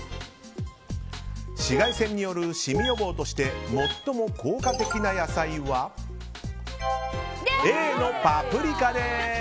紫外線によるシミ予防として最も効果的な野菜はＡのパプリカです。